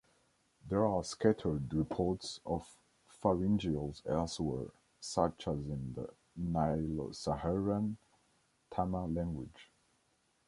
There are scattered reports of pharyngeals elsewhere, such as in the Nilo-Saharan, Tama language.